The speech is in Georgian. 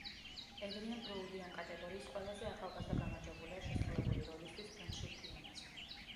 ედრიენ ბროუდი ამ კატეგორიის ყველაზე ახალგაზრდა გამარჯვებულია შესრულებული როლისთვის ფილმში „პიანისტი“.